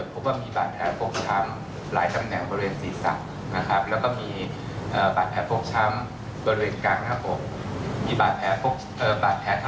แผนครับบริเวณมือแล้วก็